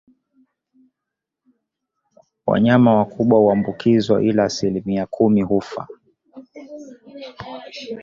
Wanyama wakubwa huambukizwa ila asilimia kumi hufa